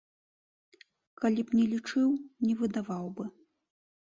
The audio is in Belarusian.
Калі б не лічыў, не выдаваў бы.